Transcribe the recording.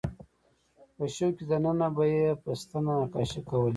په شګو کې دننه به یې په ستنه نقاشۍ کولې.